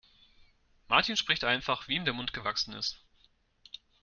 Martin spricht einfach, wie ihm der Mund gewachsen ist.